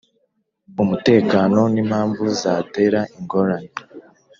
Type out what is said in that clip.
umutekano n impamvu zatera ingorane